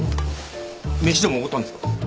飯でもおごったんですか？